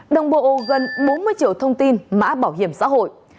đồng bộ gần bốn mươi triệu thông tin mã bảo hiểm xã hội